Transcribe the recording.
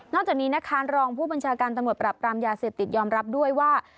นอกจากนี้นักคารรองผู้บัญชาการตรรมด์ประปรามยาเสพติดยอมรับด้วยว่า